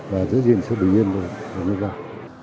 và giữ gìn sự bình yên của nhân dân